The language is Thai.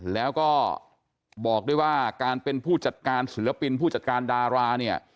แล้วก็บอกด้วยว่าการเป็นผู้จัดการศิลปินผู้จัดการดาราเนี่ย